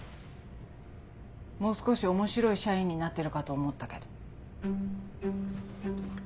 もう少し面白い社員になってるかと思ったけど。